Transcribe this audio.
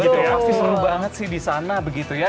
itu pasti seru banget sih di sana begitu ya